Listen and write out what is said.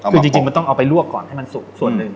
คือจริงมันต้องเอาไปลวกก่อนให้มันสุกส่วนหนึ่ง